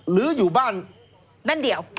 หรืออยู่บ้านแม่นเดียว